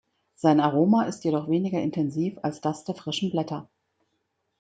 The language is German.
Sein Aroma ist jedoch weniger intensiv als das der frischen Blätter.